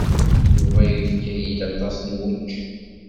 Yuba yefka-iyi-d aṭas n wučči.